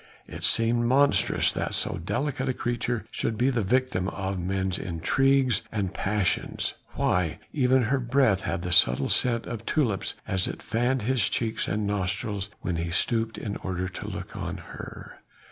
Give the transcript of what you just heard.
It seemed monstrous that so delicate a creature should be the victim of men's intrigues and passions. Why! even her breath had the subtle scent of tulips as it fanned his cheeks and nostrils when he stooped in order to look on her.